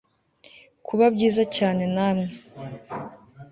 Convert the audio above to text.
kuba byiza cyane namwe